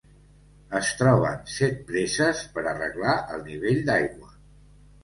Es troben set preses per a reglar el nivell d'aigua.